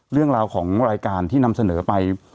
เรื่องราวของรายการที่นำเสนอไป